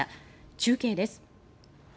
中継です。